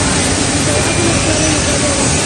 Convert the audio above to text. د دواب ولسوالۍ اوبه لري